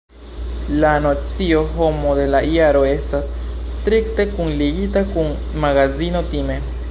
La nocio Homo de la Jaro estas strikte kunligita kun magazino Time.